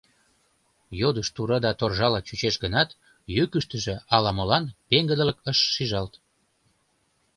Йодыш тура да торжала чучеш гынат, йӱкыштыжӧ ала-молан пеҥгыдылык ыш шижалт.